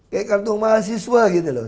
kayak kartu mahasiswa gitu loh